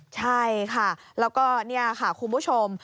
ใช่ค่ะแล้วก็คุณผู้ชม